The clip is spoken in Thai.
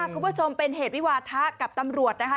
คุณผู้ชมเป็นเหตุวิวาทะกับตำรวจนะคะ